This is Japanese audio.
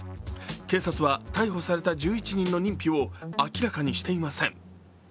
警察は逮捕された１１人の認否を明らかにしていません。